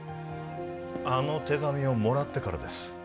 あの手紙をもらってからです